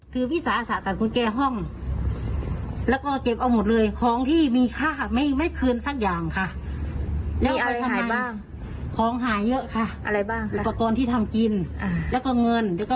ก็เป็นของซุปเปอร์เวียร์จานชามอะไรของที่มียี่ห้อเคยเปิดร้านอาหารมาก่อนนะฮะ